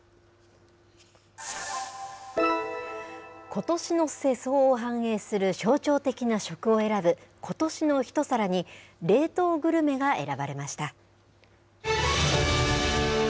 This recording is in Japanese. ことしの世相を反映する象徴的な食を選ぶ今年の一皿に、冷凍グルメが選ばれました。